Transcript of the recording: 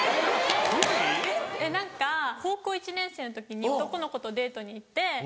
何か高校１年生の時に男の子とデートに行って。